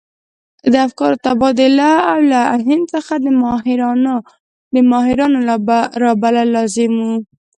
د افکارو تبادله او له هند څخه د ماهرانو رابلل لازم وو.